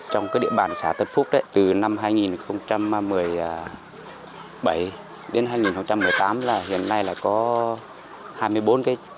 trong cái địa bản xã tất phúc đấy từ năm hai nghìn một mươi bảy đến hai nghìn một mươi tám là hiện nay là có hai mươi bốn cái